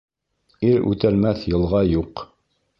Ир үтәлмәҫ йылға юҡ